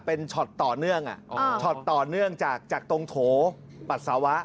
เป็นช็อตต่อเนื่องช็อตต่อเนื่องจากตรงโถปัสสาวะ